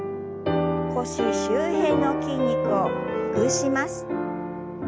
腰周辺の筋肉をほぐします。